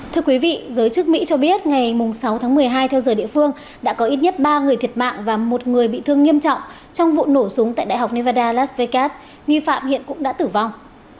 thưa quý vị giới chức mỹ cho biết ngày sáu tháng một mươi hai theo giờ địa phương đã có ít nhất ba người thiệt mạng và một người bị thương nghiêm trọng trong vụ nổ súng tại đại học nevada las vegas nghi phạm hiện cũng đã tử vong